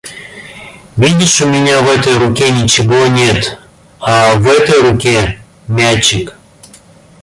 Видишь у меня в этой руке ничего нет, а в этой руке мячик.